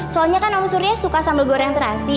soalnya kan om surya suka sambal goreng terasi